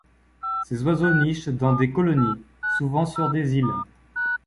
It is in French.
Ces oiseaux nichent dans des colonies, souvent sur des îles.